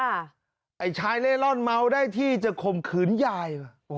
ไอ้ชายเล่ร่อนเมาได้ที่จะข่มขืนยายว่ะ